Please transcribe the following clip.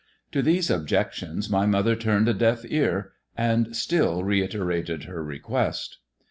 To these objections my mother turned % deaf ear, and still reiterated her request.